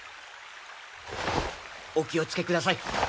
お気を付けください